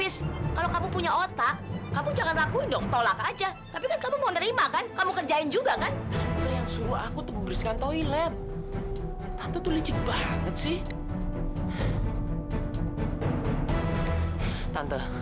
sampai jumpa di video selanjutnya